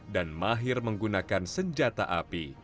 dan mahir menggunakan senjata api